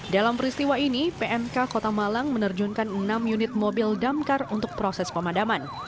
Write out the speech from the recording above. dalam peristiwa ini pmk kota malang menerjunkan enam unit mobil damkar untuk proses pemadaman